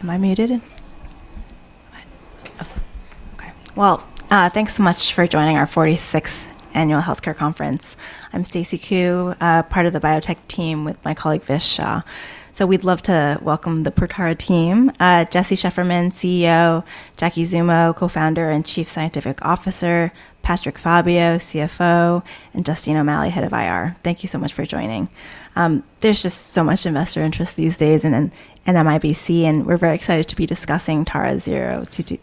Am I muted? Okay. Well, thanks so much for joining our 46th Annual Healthcare Conference. I'm Stacy Ku, part of the biotech team with my colleague Vishwesh Shah. We'd love to welcome the Protara team, Jesse Shefferman, CEO, Jackie Zummo, Co-founder and Chief Scientific Officer, Patrick Fabbio, CFO, and Justine O'Malley, Head of IR. Thank you so much for joining. There's just so much investor interest these days in NMIBC, and we're very excited to be discussing TARA-002-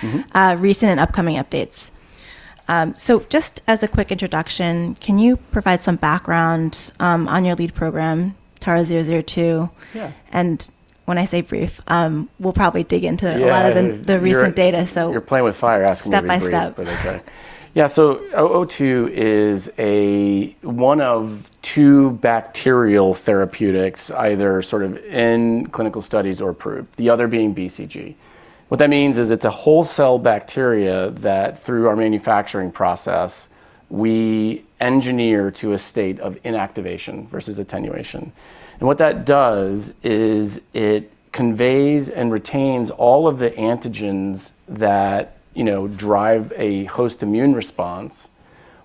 Mm-hmm... recent and upcoming updates. Just as a quick introduction, can you provide some background on your lead program, TARA-002? Yeah. When I say brief, we'll probably dig into a lot. Yeah... of the recent data. You're- So- You're playing with fire asking me to be brief. Step by step. Okay. Yeah, TARA-002 is one of two bacterial therapeutics either sort of in clinical studies or approved, the other being BCG. What that means is it's a whole cell bacteria that through our manufacturing process, we engineer to a state of inactivation versus attenuation. What that does is it conveys and retains all of the antigens that, you know, drive a host immune response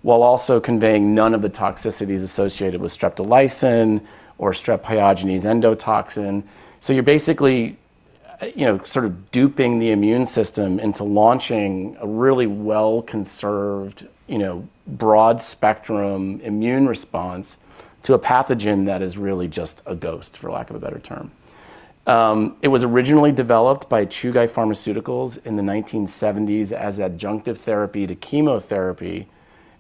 while also conveying none of the toxicities associated with streptolysin or Streptococcus pyogenes exotoxin. You're basically, you know, sort of duping the immune system into launching a really well-conserved, you know, broad spectrum immune response to a pathogen that is really just a ghost, for lack of a better term. It was originally developed by Chugai Pharmaceutical in the 1970s as adjunctive therapy to chemotherapy,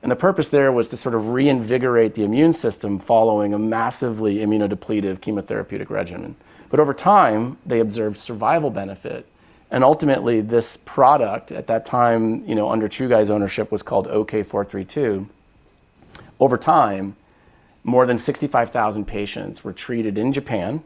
the purpose there was to sort of reinvigorate the immune system following a massively immunodepleted chemotherapeutic regimen. Over time, they observed survival benefit, ultimately, this product at that time, you know, under Chugai's ownership was called OK-432. Over time, more than 65,000 patients were treated in Japan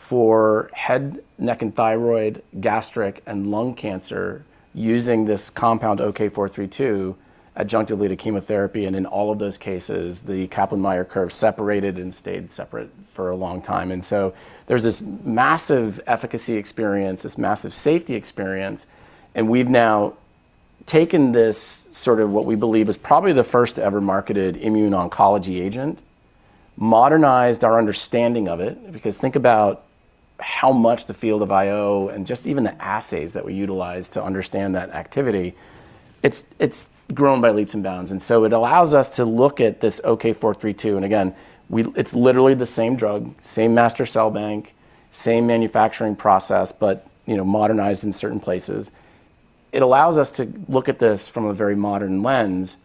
for head, neck, and thyroid, gastric and lung cancer using this compound, OK-432, adjunctively to chemotherapy, in all of those cases, the Kaplan-Meier curve separated and stayed separate for a long time. There's this massive efficacy experience, this massive safety experience, and we've now taken this sort of what we believe is probably the first ever marketed immune oncology agent, modernized our understanding of it, because think about how much the field of IO and just even the assays that we utilize to understand that activity, it's grown by leaps and bounds. It allows us to look at this OK-432, and again, it's literally the same drug, same master cell bank, same manufacturing process, but, you know, modernized in certain places. It allows us to look at this from a very modern lens.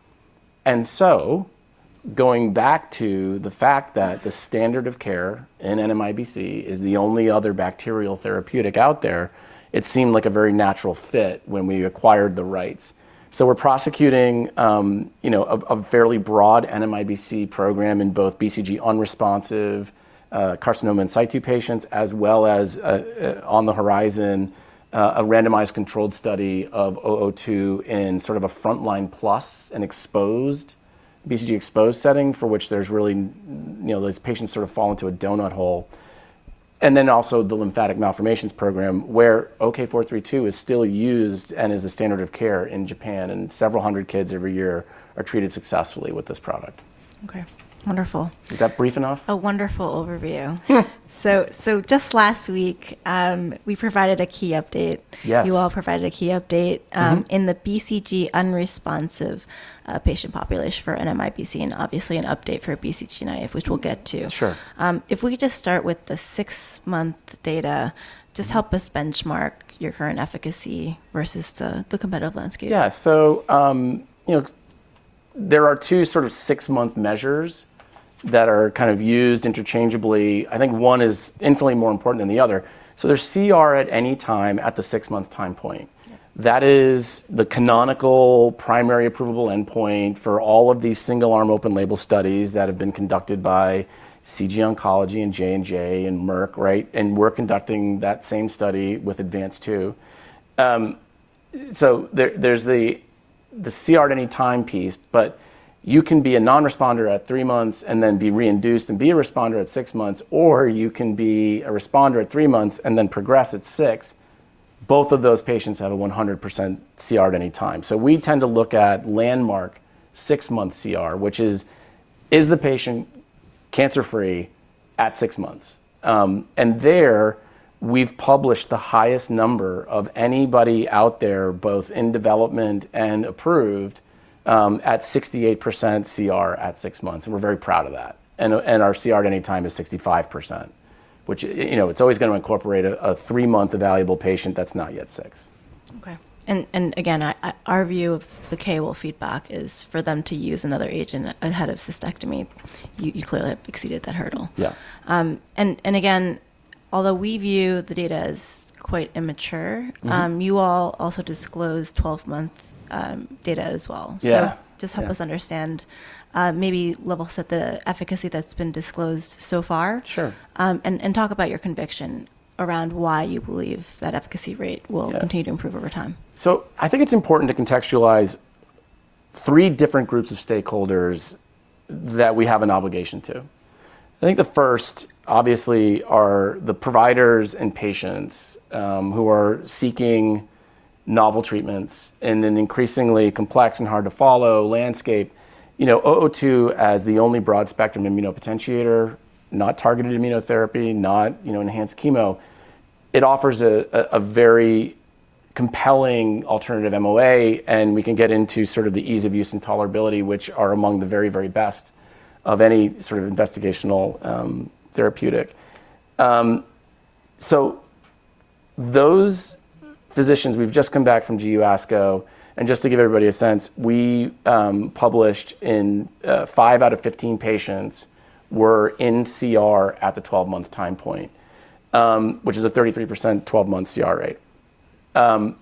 Going back to the fact that the standard of care in NMIBC is the only other bacterial therapeutic out there, it seemed like a very natural fit when we acquired the rights. We're prosecuting, you know, a fairly broad NMIBC program in both BCG-unresponsive, carcinoma in situ patients, as well as, on the horizon, a randomized controlled study of OO2 in sort of a frontline plus an exposed, BCG exposed setting for which there's really, you know, these patients sort of fall into a donut hole. Also the lymphatic malformations program, where OK-432 is still used and is the standard of care in Japan, and several hundred kids every year are treated successfully with this product. Okay. Wonderful. Is that brief enough? A wonderful overview. Just last week, we provided a key update. Yes. You all provided a key update. Mm-hmm... in the BCG-unresponsive patient population for NMIBC, and obviously an update for BCG-naive, which we'll get to. Sure. If we could just start with the six-month data. Mm-hmm. help us benchmark your current efficacy versus the competitive landscape. Yeah. you know, there are two sort of six-month measures that are kind of used interchangeably. I think one is infinitely more important than the other. there's CR at any time at the six-month time point. Yeah. That is the canonical primary approvable endpoint for all of these single-arm open label studies that have been conducted by CG Oncology and J&J and Merck, right? We're conducting that same study with ADVANCED-2. There, there's the CR at any time piece, but you can be a non-responder at three months and then be re-induced and be a responder at six months, or you can be a responder at three months and then progress at six. Both of those patients have a 100% CR at any time. We tend to look at landmark six-month CR, which is the patient cancer-free at six months? There, we've published the highest number of anybody out there, both in development and approved, at 68% CR at six months, and we're very proud of that. Our CR at any time is 65%, which, you know, it's always going to incorporate a three-month evaluable patient that's not yet six. Okay. Again, our view of the KOL feedback is for them to use another agent ahead of cystectomy. You clearly have exceeded that hurdle. Yeah. Again, although we view the data as quite immature. Mm-hmm... you all also disclosed 12-month data as well. Yeah. So- Yeah just help us understand, maybe level set the efficacy that's been disclosed so far. Sure. Talk about your conviction around why you believe that efficacy rate. Yeah... continue to improve over time. I think it's important to contextualize three different groups of stakeholders that we have an obligation to. I think the first, obviously, are the providers and patients, who are seeking novel treatments in an increasingly complex and hard to follow landscape. You know, OO2, as the only broad-spectrum immunopotentiator, not targeted immunotherapy, not, you know, enhanced chemo, it offers a very compelling alternative MOA, and we can get into sort of the ease of use and tolerability, which are among the very, very best of any sort of investigational therapeutic. Those physicians, we've just come back from GU ASCO, and just to give everybody a sense, we published in five out of 15 patients were in CR at the 12-month time point, which is a 33% 12-month CR rate. The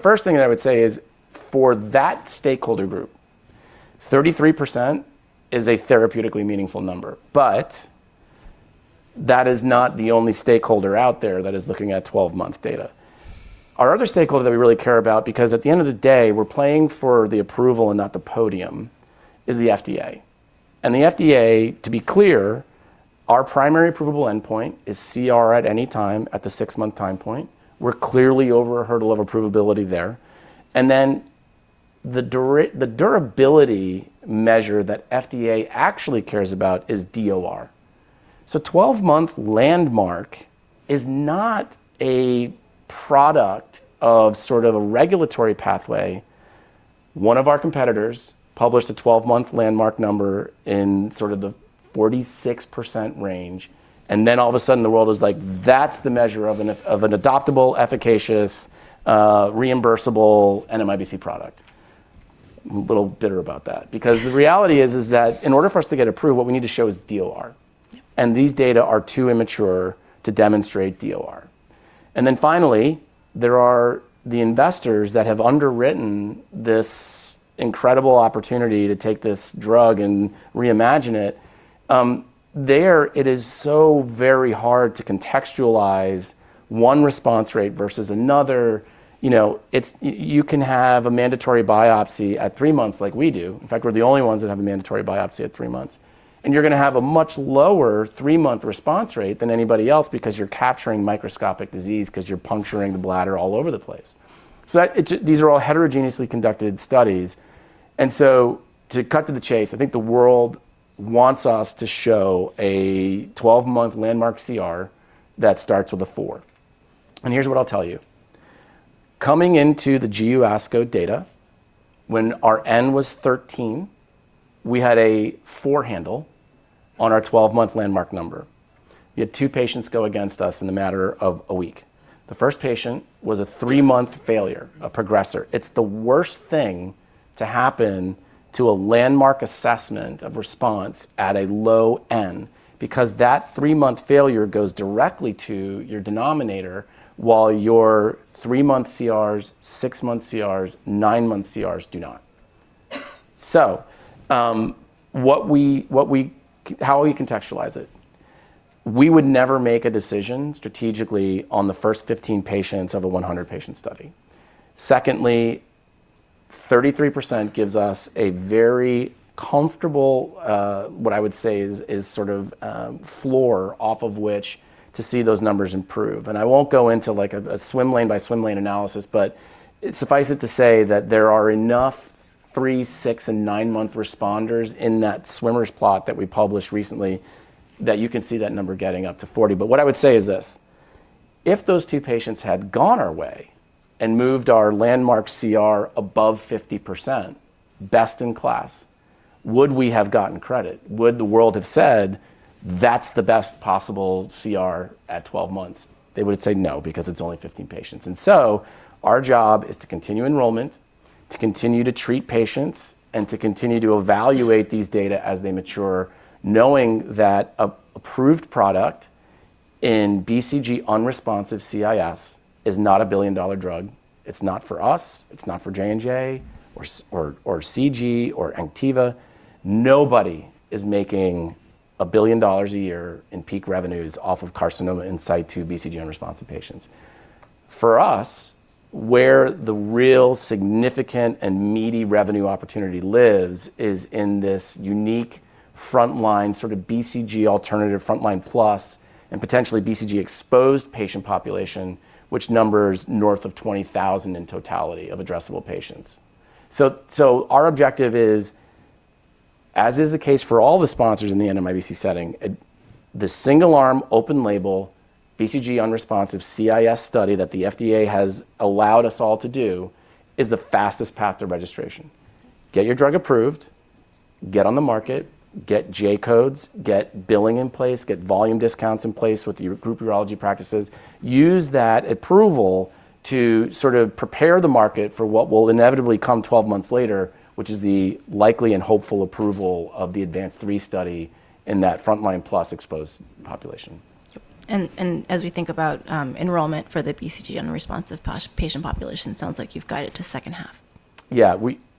first thing that I would say is for that stakeholder group, 33% is a therapeutically meaningful number. That is not the only stakeholder out there that is looking at 12-month data. Our other stakeholder that we really care about, because at the end of the day, we're playing for the approval and not the podium, is the FDA. The FDA, to be clear, our primary approvable endpoint is CR at any time at the 6-month time point. We're clearly over a hurdle of approvability there. The durability measure that FDA actually cares about is DOR. 12-month landmark is not a product of sort of a regulatory pathway. One of our competitors published a 12-month landmark number in sort of the 46% range. All of a sudden the world is like, "That's the measure of an adoptable, efficacious, reimbursable NMIBC product." I'm a little bitter about that, because the reality is that in order for us to get approved, what we need to show is DOR. These data are too immature to demonstrate DOR. Finally, there are the investors that have underwritten this incredible opportunity to take this drug and reimagine it. There it is so very hard to contextualize one response rate versus another. You know, it's you can have a mandatory biopsy at three months like we do. In fact, we're the only ones that have a mandatory biopsy at three months, and you're gonna have a much lower three-month response rate than anybody else because you're capturing microscopic disease 'cause you're puncturing the bladder all over the place. That, these are all heterogeneously conducted studies. To cut to the chase, I think the world wants us to show a 12-month landmark CR that starts with a four. Here's what I'll tell you. Coming into the GU ASCO data, when our N was 13, we had a four handle on our 12-month landmark number. We had two patients go against us in the matter of a week. The first patient was a three-month failure, a progressor. It's the worst thing to happen to a landmark assessment of response at a low N, because that three-month failure goes directly to your denominator while your three-month CRs, six-month CRs, nine-month CRs do not. How we contextualize it, we would never make a decision strategically on the first 15 patients of a 100-patient study. Secondly, 33% gives us a very comfortable, what I would say is sort of, floor off of which to see those numbers improve. I won't go into, like, a swim lane by swim lane analysis, but suffice it to say that there are enough three months, six months, and nine-month responders in that Swimmer plot that we published recently that you can see that number getting up to 40. What I would say is this: If those 2 patients had gone our way and moved our landmark CR above 50%, best in class, would we have gotten credit? Would the world have said, "That's the best possible CR at 12 months"? They would say no, because it's only 15 patients. Our job is to continue enrollment, to continue to treat patients, and to continue to evaluate these data as they mature, knowing that a approved product in BCG-unresponsive CIS is not a billion-dollar drug. It's not for us, it's not for J&J or CG or Actavis. Nobody is making $1 billion a year in peak revenues off of carcinoma in situ BCG-unresponsive patients. For us, where the real significant and meaty revenue opportunity lives is in this unique frontline, sort of BCG alternative, frontline plus, and potentially BCG exposed patient population, which numbers north of 20,000 in totality of addressable patients. Our objective is, as is the case for all the sponsors in the NMIBC setting, the single arm open label BCG unresponsive CIS study that the FDA has allowed us all to do is the fastest path to registration. Get your drug approved, get on the market, get J-codes, get billing in place, get volume discounts in place with your group urology practices. Use that approval to sort of prepare the market for what will inevitably come 12 months later, which is the likely and hopeful approval of the ADVANCED-2 study in that frontline plus exposed population. As we think about, enrollment for the BCG-unresponsive patient population, sounds like you've got it to second half. Yeah.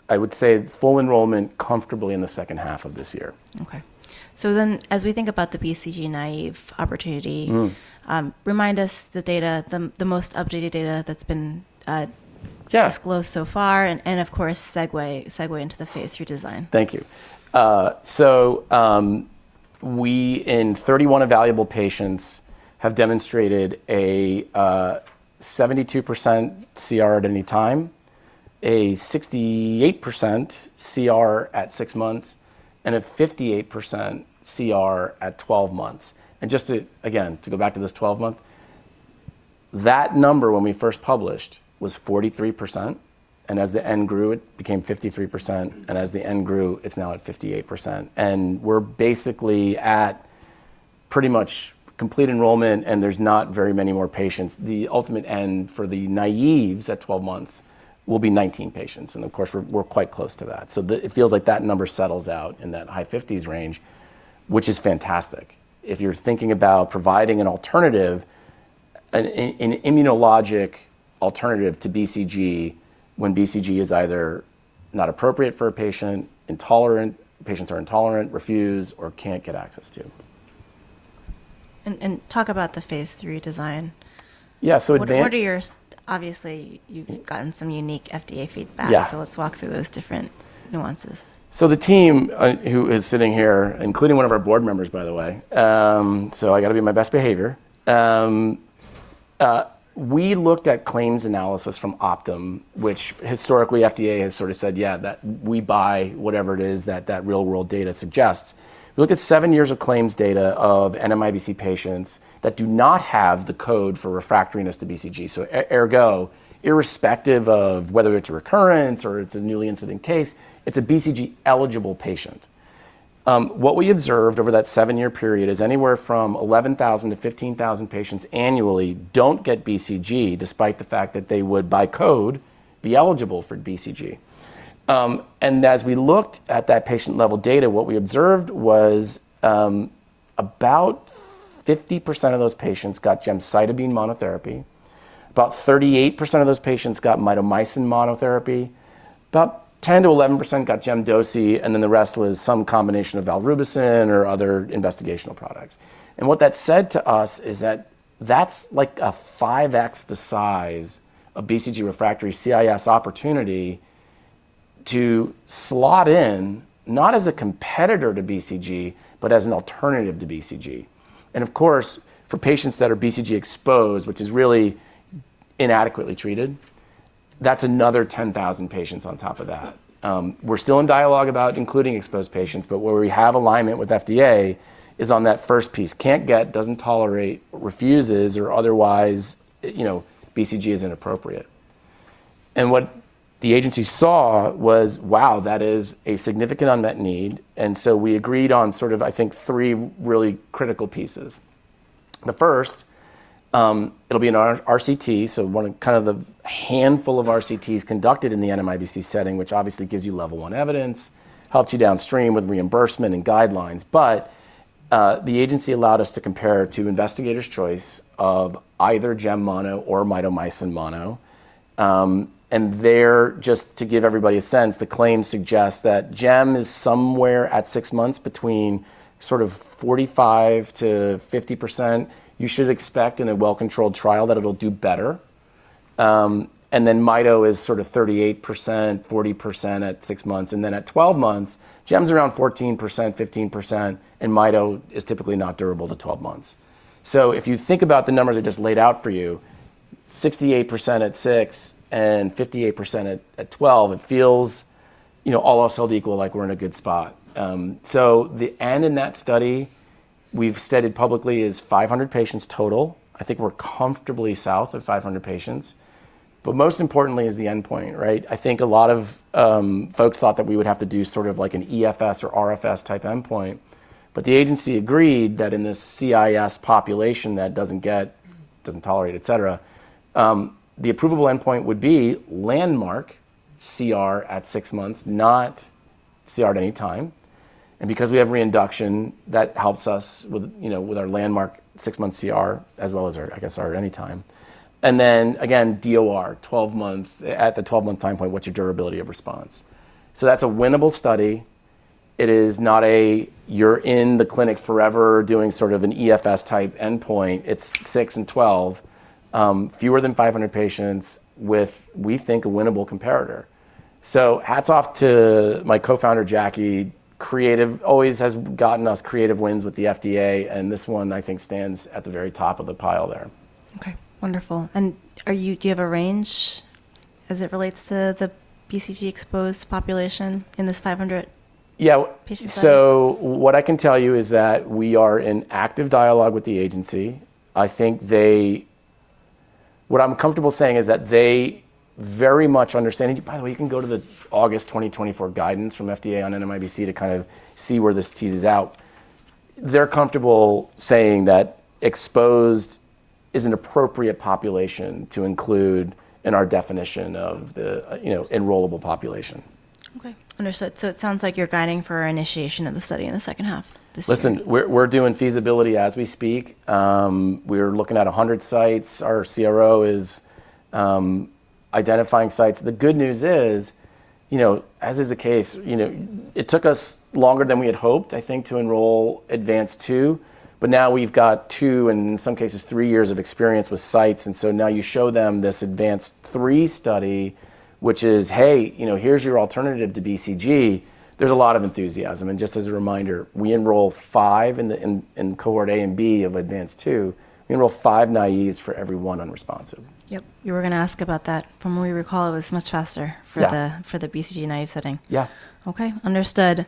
I would say full enrollment comfortably in the second half of this year. As we think about the BCG-naive opportunity. Mm. remind us the data, the most updated data that's been. Yeah... disclosed so far and of course, segue into the phase 3 design. Thank you. We in 31 evaluable patients have demonstrated a 72% CR at any time, a 68% CR at 6 months, and a 58% CR at 12 months. Just to, again, to go back to this 12-month, that number when we first published was 43%, and as the N grew, it became 53%, and as the N grew, it's now at 58%. We're basically at pretty much complete enrollment, and there's not very many more patients. The ultimate N for the naives at 12 months will be 19 patients, of course, we're quite close to that. It feels like that number settles out in that high fifties range, which is fantastic if you're thinking about providing an alternative, an immunologic alternative to BCG when BCG is either not appropriate for a patient, intolerant, patients are intolerant, refuse, or can't get access to. talk about the phase 3 design. Yeah. Obviously, you've gotten some unique FDA feedback? Yeah. Let's walk through those different nuances. The team, who is sitting here, including one of our board members, by the way, I gotta be on my best behavior. We looked at claims analysis from Optum, which historically FDA has sorta said, "Yeah, that we buy whatever it is that that real world data suggests." We looked at seven years of claims data of NMIBC patients that do not have the code for refractoriness to BCG. Ergo, irrespective of whether it's recurrence or it's a newly incident case, it's a BCG-eligible patient. What we observed over that seven-year period is anywhere from 11,000 patients-15,000 patients annually don't get BCG despite the fact that they would, by code, be eligible for BCG. As we looked at that patient-level data, what we observed was about 50% of those patients got gemcitabine monotherapy, about 38% of those patients got mitomycin monotherapy, about 10%-11% got Gem/Doce, then the rest was some combination of valrubicin or other investigational products. What that said to us is that that's like a 5x the size of BCG-unresponsive CIS opportunity to slot in, not as a competitor to BCG, but as an alternative to BCG. Of course, for patients that are BCG exposed, which is really inadequately treated, that's another 10,000 patients on top of that. We're still in dialogue about including exposed patients, but where we have alignment with FDA is on that first piece. Can't get, doesn't tolerate, refuses, or otherwise, you know, BCG is inappropriate. What the Agency saw was, "Wow, that is a significant unmet need." So we agreed on sort of, I think, three really critical pieces. The first, it'll be an R-RCT, so one of, kind of the handful of RCTs conducted in the NMIBC setting, which obviously gives you level 1 evidence, helps you downstream with reimbursement and guidelines. The Agency allowed us to compare to investigator's choice of either gem mono or mitomycin mono. There, just to give everybody a sense, the claim suggests that gem is somewhere at six months between sort of 45%-50%. You should expect in a well-controlled trial that it'll do better. Then mito is sort of 38%, 40% at 6 months. Then at 12 months, gem's around 14%, 15%, and mito is typically not durable to 12 months. If you think about the numbers I just laid out for you, 68% at six and 58% at 12, it feels, you know, all else held equal, like we're in a good spot. The N in that study, we've stated publicly is 500 patients total. I think we're comfortably south of 500 patients. Most importantly is the endpoint, right? I think a lot of folks thought that we would have to do sort of like an EFS or RFS type endpoint. The agency agreed that in the CIS population that doesn't get, doesn't tolerate, et cetera, the approvable endpoint would be landmark CR at six months, not CR at any time. Because we have reinduction, that helps us with, you know, with our landmark six-month CR as well as our, I guess, our at any time. Again, DOR, 12-month, at the 12-month time point, what's your durability of response? That's a winnable study. It is not a you're in the clinic forever doing sort of an EFS type endpoint. It's six and 12, fewer than 500 patients with, we think, a winnable comparator. Hats off to my co-founder, Jackie. Creative, always has gotten us creative wins with the FDA, and this one, I think, stands at the very top of the pile there. Okay. Wonderful. Do you have a range as it relates to the BCG-exposed population in this 500... Yeah... patient study? What I can tell you is that we are in active dialogue with the agency. What I'm comfortable saying is that they very much understand. By the way, you can go to the August 2024 guidance from FDA on NMIBC to kind of see where this teases out. They're comfortable saying that exposed is an appropriate population to include in our definition of the, you know, enrollable population. Okay. Understood. It sounds like you're guiding for initiation of the study in the second half this year. Listen, we're doing feasibility as we speak. We're looking at 100 sites. Our CRO is identifying sites. The good news is, you know, as is the case, you know, it took us longer than we had hoped, I think, to enroll ADVANCED-2, but now we've got two, in some cases, three years of experience with sites, and so now you show them this ADVANCED-3 study, which is, hey, you know, here's your alternative to BCG. There's a lot of enthusiasm. Just as a reminder, we enroll five in cohort A and B of ADVANCED-2. We enroll five naives for every one unresponsive. Yep. We were gonna ask about that. From what we recall, it was much faster- Yeah for the BCG naive setting. Yeah. Okay. Understood.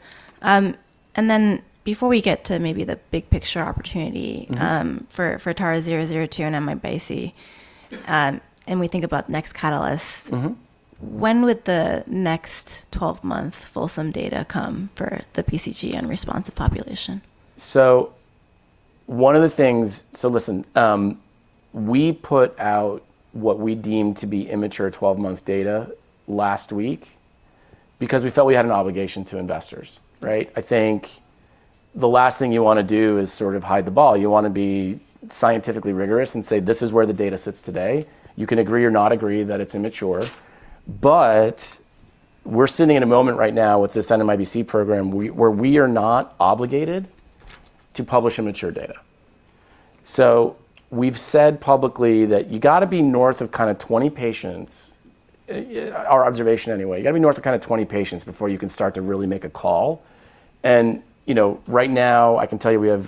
Before we get to maybe the big picture opportunity… Mm-hmm... for TARA-002 and NMIBC, and we think about next catalysts. Mm-hmm... when would the next twelve-month fulsome data come for the BCG-unresponsive population? Listen, we put out what we deemed to be immature 12-month data last week because we felt we had an obligation to investors, right? I think the last thing you wanna do is sort of hide the ball. You wanna be scientifically rigorous and say, "This is where the data sits today." You can agree or not agree that it's immature, but we're sitting in a moment right now with this NMIBC program where we are not obligated to publish immature data. We've said publicly that you gotta be north of kinda 20 patients, our observation anyway. You gotta be north of kinda 20 patients before you can start to really make a call. You know, right now I can tell you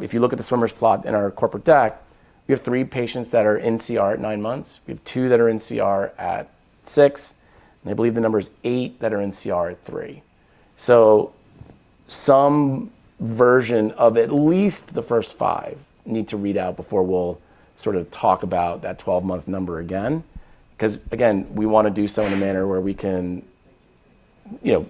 if you look at the Swimmer plot in our corporate deck, we have three patients that are nCR at nine months. We have two that are nCR at six, and I believe the number is eight that are nCR at three. Some version of at least the first five need to read out before we'll sort of talk about that 12-month number again, 'cause, again, we wanna do so in a manner where we can, you know,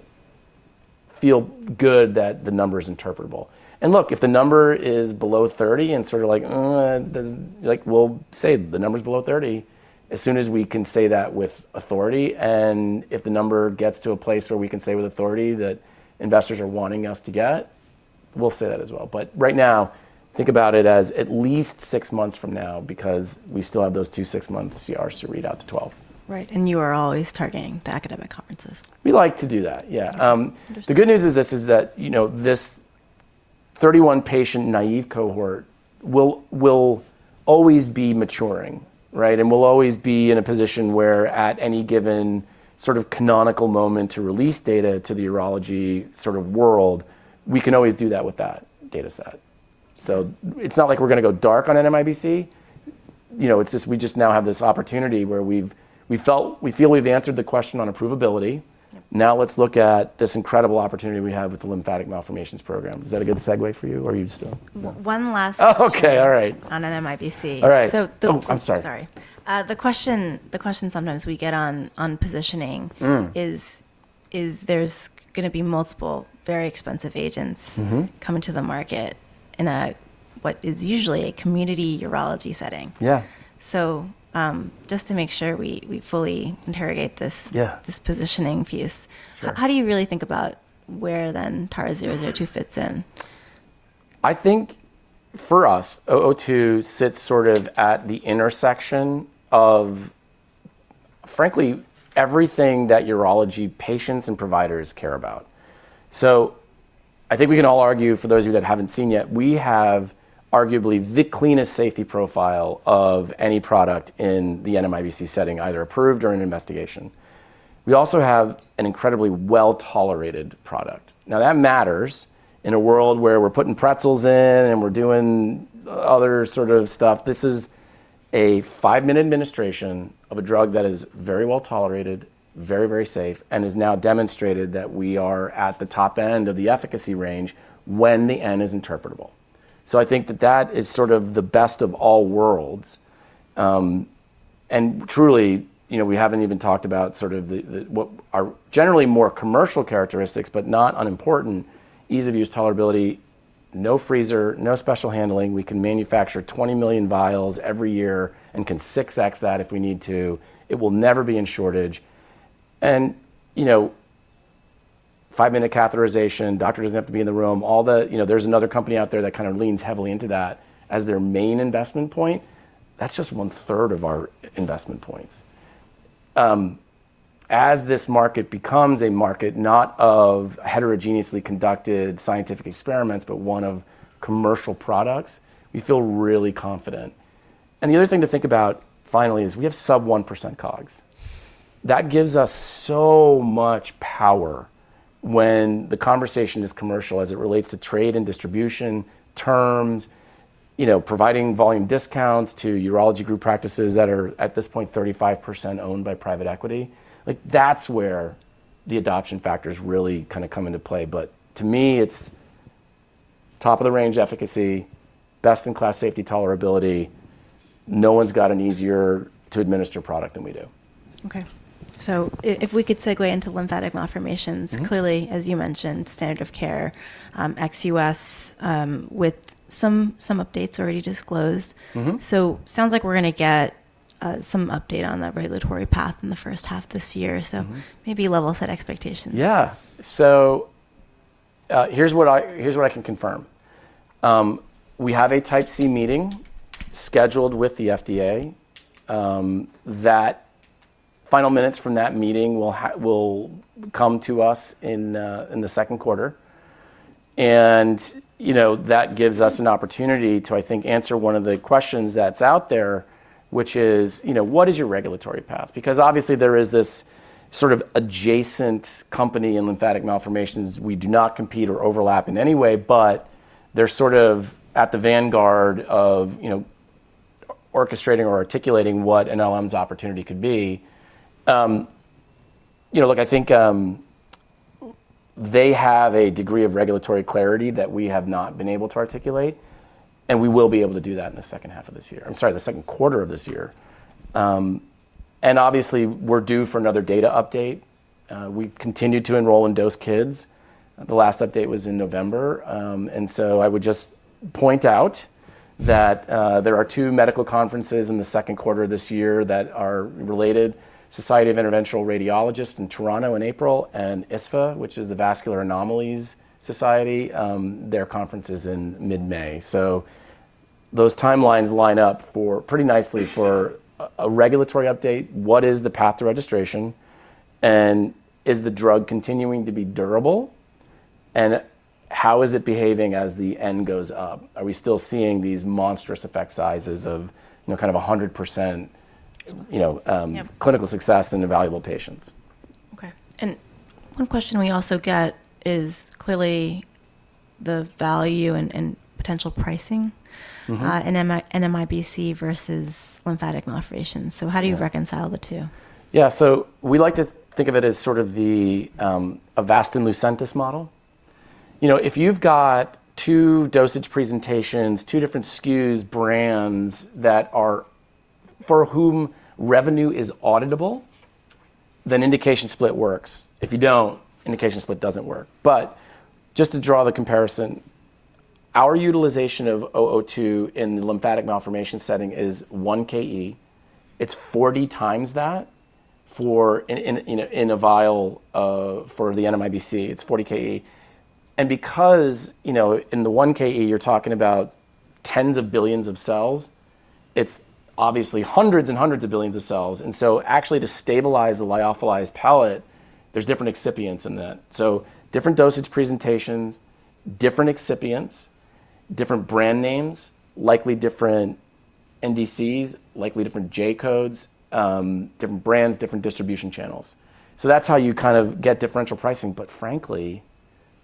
feel good that the number is interpretable. Look, if the number is below 30 and sort of like, eh, does. Like, we'll say the number's below 30 as soon as we can say that with authority. If the number gets to a place where we can say with authority that investors are wanting us to get, we'll say that as well. Right now, think about it as at least six months from now because we still have those two six-month CRs to read out to 12. Right. You are always targeting the academic conferences. We like to do that, yeah. Understood. The good news is this, is that, you know, this 31 patient naive cohort will always be maturing, right? Will always be in a position where at any given sort of canonical moment to release data to the urology sort of world, we can always do that with that data set. It's not like we're gonna go dark on NMIBC. You know, we just now have this opportunity where we feel we've answered the question on approvability. Yep. Now let's look at this incredible opportunity we have with the lymphatic malformations program. Is that a good segue for you or are you still? One last question? Oh, okay. All right.... on NM-IBC. All right. So the- Oh, I'm sorry. Sorry. The question sometimes we get on positioning. Mm... is there's gonna be multiple very expensive agents. Mm-hmm... coming to the market in a, what is usually a community urology setting. Yeah. just to make sure we fully interrogate this. Yeah... this positioning piece. Sure. How do you really think about where then TARA-002 fits in? I think for us, 002 sits sort of at the intersection of frankly everything that urology patients and providers care about. I think we can all argue, for those of you that haven't seen yet, we have arguably the cleanest safety profile of any product in the NMIBC setting, either approved or in investigation. We also have an incredibly well-tolerated product. Now, that matters in a world where we're putting pretzels in and we're doing other sort of stuff. This is a five-minute administration of a drug that is very well-tolerated, very, very safe, and is now demonstrated that we are at the top end of the efficacy range when the N is interpretable. I think that that is sort of the best of all worlds. Truly, you know, we haven't even talked about sort of the, what are generally more commercial characteristics, but not unimportant: ease of use, tolerability, no freezer, no special handling. We can manufacture 20 million vials every year and can 6x that if we need to. It will never be in shortage. You know, five-minute catheterization, doctor doesn't have to be in the room. You know, there's another company out there that kind of leans heavily into that as their main investment point. That's just one-third of our investment points. This market becomes a market not of heterogeneously conducted scientific experiments, but one of commercial products, we feel really confident. The other thing to think about finally is we have sub 1% COGS. That gives us so much power when the conversation is commercial as it relates to trade and distribution terms, you know, providing volume discounts to urology group practices that are, at this point, 35% owned by private equity. Like, that's where the adoption factors really kinda come into play. To me, it's top of the range efficacy, best in class safety tolerability. No one's got an easier to administer product than we do. Okay. If we could segue into lymphatic malformations. Mm-hmm. Clearly, as you mentioned, standard of care, ex-U.S., with some updates already disclosed. Mm-hmm. sounds like we're gonna get some update on the regulatory path in the first half this year. Mm-hmm. Maybe level set expectations. Yeah. Here's what I, here's what I can confirm. We have a Type C meeting scheduled with the FDA, that final minutes from that meeting will come to us in the second quarter. You know, that gives us an opportunity to, I think, answer one of the questions that's out there, which is, you know, what is your regulatory path? Obviously there is this sort of adjacent company and lymphatic malformations we do not compete or overlap in any way, but they're sort of at the vanguard of, you know, orchestrating or articulating what an LM's opportunity could be. You know, look, I think, they have a degree of regulatory clarity that we have not been able to articulate, we will be able to do that in the second quarter of this year. Obviously, we're due for another data update. We continue to enroll and dose kids. The last update was in November. I would just point out that there are two medical conferences in the second quarter this year that are related: Society of Interventional Radiologists in Toronto in April and ISVA, which is the Vascular Anomalies Society, their conference is in mid-May. Those timelines line up for pretty nicely for a regulatory update. What is the path to registration, and is the drug continuing to be durable, and how is it behaving as the N goes up? Are we still seeing these monstrous effect sizes of, you know, kind of a 100%- Yes. 100%. Yep... you know, clinical success in evaluable patients. Okay. One question we also get is clearly the value and potential pricing- Mm-hmm... in NMIBC versus lymphatic malformations. Yeah. How do you reconcile the two? Yeah. We like to think of it as sort of the Avastin-Lucentis model. You know, if you've got two dosage presentations, two different SKUs, brands that are... for whom revenue is auditable, then indication split works. If you don't, indication split doesn't work. Just to draw the comparison, our utilization of OO2 in the lymphatic malformation setting is 1 KE. It's 40 times that for in a vial of for the NMIBC, it's 40 KE. Because, you know, in the 1 KE, you're talking about tens of billions of cells, it's obviously hundreds and hundreds of billions of cells. Actually to stabilize the lyophilized pellet, there's different excipients in that. Different dosage presentations, different excipients, different brand names, likely different NDCs, likely different J-codes, different brands, different distribution channels. That's how you kind of get differential pricing. Frankly,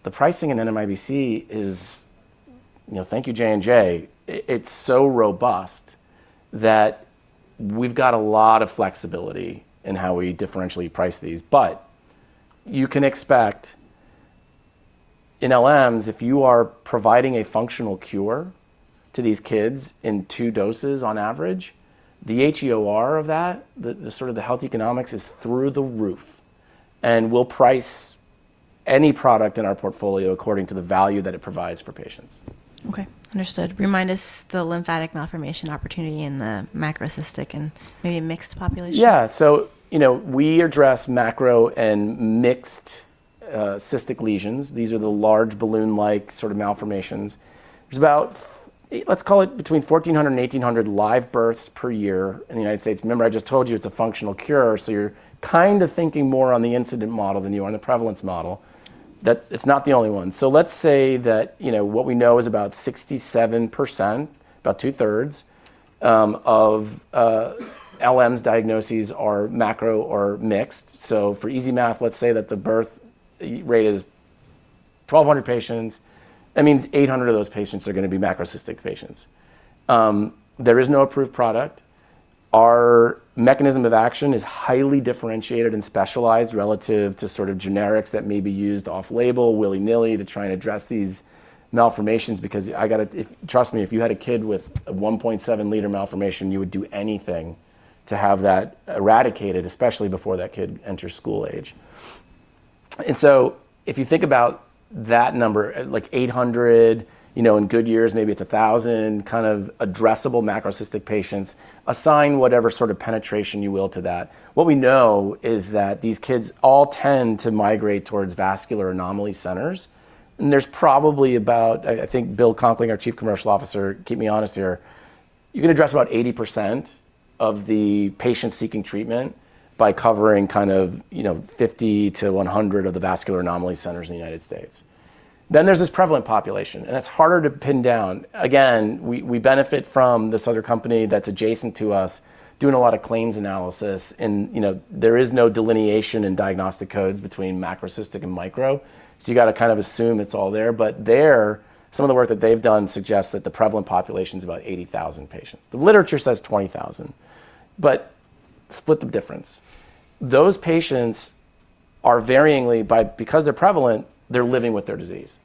the pricing in NMIBC is, you know, thank you, J&J, it's so robust that we've got a lot of flexibility in how we differentially price these. You can expect in LMs, if you are providing a functional cure to these kids in two doses on average, the HEOR of that, the sort of the health economics is through the roof. We'll price any product in our portfolio according to the value that it provides for patients. Okay. Understood. Remind us the lymphatic malformation opportunity in the macrocystic and maybe a mixed population. Yeah. You know, we address Macrocystic and mixed cystic lesions. These are the large balloon-like sort of malformations. There's about, let's call it between 1,400 and 1,800 live births per year in the United States. Remember I just told you it's a functional cure, so you're kind of thinking more on the incident model than you are on the prevalence model. That it's not the only one. Let's say that, you know, what we know is about 67%, about two-thirds, of LMs diagnoses are Macrocystic or mixed. For easy math, let's say that the birth rate is 1,200 patients, that means 800 of those patients are gonna be Macrocystic patients. There is no approved product. Our mechanism of action is highly differentiated and specialized relative to sort of generics that may be used off-label willy-nilly to try and address these malformations because I gotta trust me, if you had a kid with a 1.7 liter malformation, you would do anything to have that eradicated, especially before that kid enters school age. If you think about that number, like 800, you know, in good years, maybe it's 1,000, kind of addressable macrocystic patients, assign whatever sort of penetration you will to that. What we know is that these kids all tend to migrate towards vascular anomaly centers. There's probably about, I think Bill Conkling, our Chief Commercial Officer, keep me honest here. You can address about 80% of the patients seeking treatment by covering kind of, you know, 50-100 of the vascular anomaly centers in the United States. There's this prevalent population, and that's harder to pin down. Again, we benefit from this other company that's adjacent to us doing a lot of claims analysis. You know, there is no delineation in diagnostic codes between macrocystic and micro. You gotta kind of assume it's all there. There, some of the work that they've done suggests that the prevalent population is about 80,000 patients. The literature says 20,000, but split the difference. Those patients are. Because they're prevalent, they're living with their disease.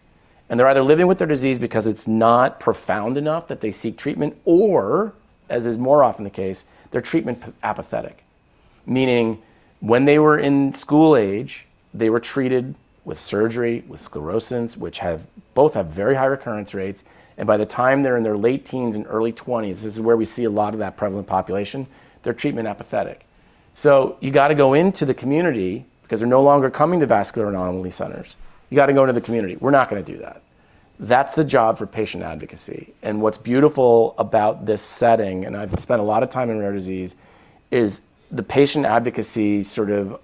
They're either living with their disease because it's not profound enough that they seek treatment or, as is more often the case, they're treatment apathetic. Meaning when they were in school age, they were treated with surgery, with sclerosing, which both have very high recurrence rates, and by the time they're in their late teens and early twenties, this is where we see a lot of that prevalent population, they're treatment apathetic. You gotta go into the community because they're no longer coming to vascular anomaly centers. You gotta go into the community. We're not gonna do that. That's the job for patient advocacy. What's beautiful about this setting, and I've spent a lot of time in rare disease, is the patient advocacy sort of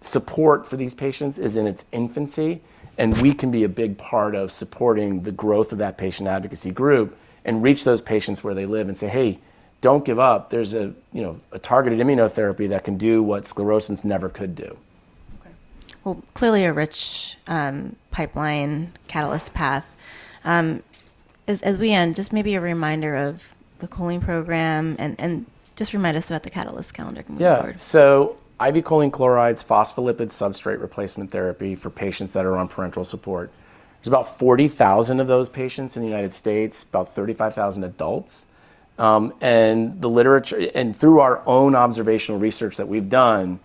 support for these patients is in its infancy, and we can be a big part of supporting the growth of that patient advocacy group and reach those patients where they live and say, "Hey, don't give up. There's a, you know, a targeted immunotherapy that can do what sclerosins never could do. Okay. Well, clearly a rich, pipeline catalyst path. As we end, just maybe a reminder of the choline program and just remind us about the catalyst calendar going forward. IV Choline Chloride's phospholipid substrate replacement therapy for patients that are on parenteral support. There's about 40,000 of those patients in the United States, about 35,000 adults. Through our own observational research that we've done,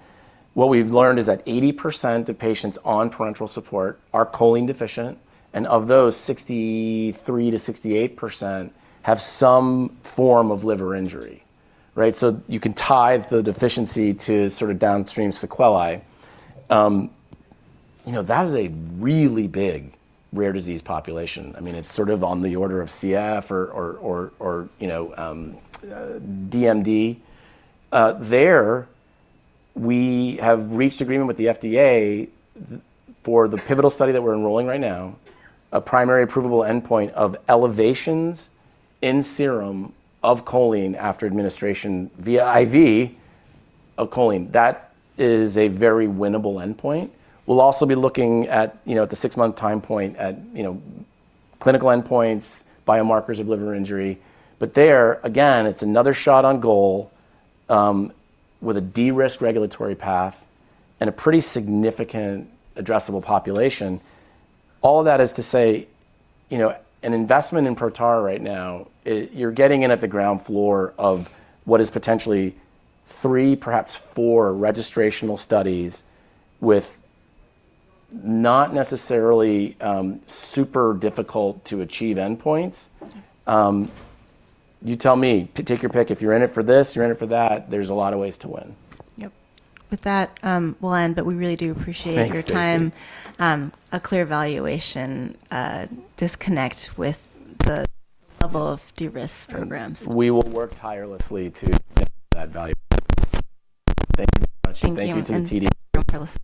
what we've learned is that 80% of patients on parenteral support are choline deficient, and of those, 63%-68% have some form of liver injury, right? You can tie the deficiency to sort of downstream sequelae. You know, that is a really big rare disease population. I mean, it's sort of on the order of CF or DMD. There we have reached agreement with the FDA for the pivotal study that we're enrolling right now, a primary approvable endpoint of elevations in serum of choline after administration via IV of choline. That is a very winnable endpoint. We'll also be looking at, you know, at the six-month time point at, you know, clinical endpoints, biomarkers of liver injury. There, again, it's another shot on goal with a de-risk regulatory path and a pretty significant addressable population. All of that is to say, you know, an investment in Protara right now, you're getting in at the ground floor of what is potentially three, perhaps four registrational studies with not necessarily super difficult to achieve endpoints. You tell me. Take your pick. If you're in it for this, you're in it for that, there's a lot of ways to win. Yep. With that, we'll end, but we really do appreciate- Thanks, Stacy.... your time. A clear valuation disconnect with the level of de-risk programs. We will work tirelessly to get that value. Thank you very much. Thank you. Thank you to the. Thank you all for listening.